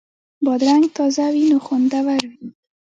بادرنګ تازه وي نو خوندور وي.